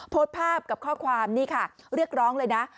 โพสต์ภาพกับข้อความนี่ค่ะเรียกร้องเลยนะ